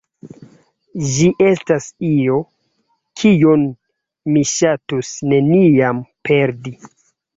Ĝi estas io, kion mi ŝatus neniam perdi.